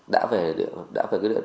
đã về cái địa điểm